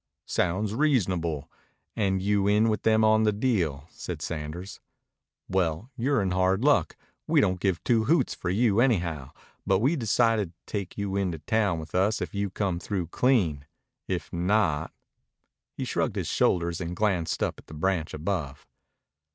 "Sounds reasonable, and you in with them on the deal," said Sanders. "Well, you're in hard luck. We don't give two hoots for you, anyhow, but we decided to take you in to town with us if you came through clean. If not " He shrugged his shoulders and glanced up at the branch above.